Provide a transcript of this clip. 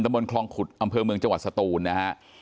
ตะมนต์คลองขุดอำเภอเมืองจังหวัดศตูนเลยฮะ